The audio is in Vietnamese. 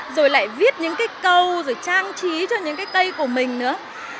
rồi lại viết những cái câu rồi trang trí cho những cái cây của mình nữa